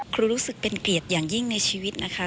รู้สึกเป็นเกียรติอย่างยิ่งในชีวิตนะคะ